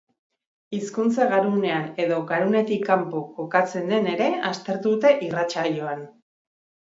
Hizkuntza garunean edo garunetik kanpo kokatzen den ere aztertu dute irratsaioan.